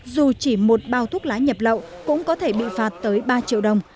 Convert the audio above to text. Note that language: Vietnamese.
dù chỉ một bao thuốc lá nhập lậu cũng có thể bị phạt tới ba triệu đồng